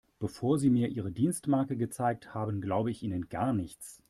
Bevor Sie mir Ihre Dienstmarke gezeigt haben, glaube ich Ihnen gar nichts.